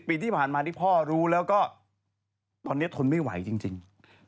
ปีที่ผ่านมาที่พ่อรู้แล้วก็ตอนนี้ทนไม่ไหวจริง